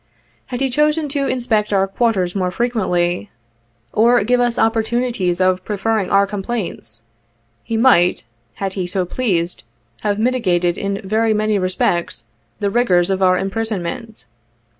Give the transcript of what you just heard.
Had he chosen to inspect our quarters more frequently, 37 or give us opportunities of preferring our complaints, he might, had he so pleased, have mitigated, in very many respects, the rigors of our imprisonment.